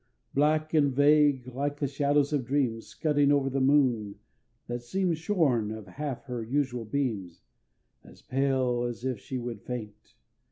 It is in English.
Black and vague like the shadows of dreams, Scudding over the moon that seems, Shorn of half her usual beams, As pale as if she would faint!